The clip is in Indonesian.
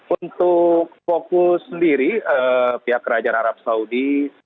untuk fokus sendiri pihak kerajaan arab saudi